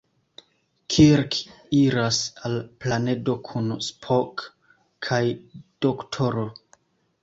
Kirk iras al planedo kun Spock kaj D-ro.